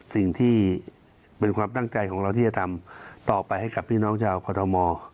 สิ่งที่เป็นความตั้งใจของเราที่จะทำต่อไปให้กับพี่น้องชาวกรทม